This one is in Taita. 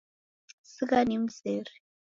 Sigha nimzere